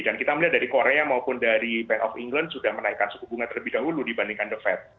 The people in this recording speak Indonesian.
dan kita melihat dari korea maupun dari bank of england sudah menaikan suku bunga terlebih dahulu dibandingkan the fed